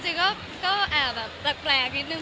จริงก็แอบแบบแปลกนิดนึง